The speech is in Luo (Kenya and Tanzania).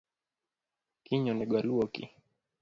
Kiny onego aluoki